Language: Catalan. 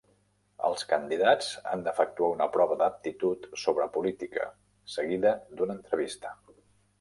Els candidats han d'efectuar una prova d'aptitud sobre política, seguida d'una entrevista.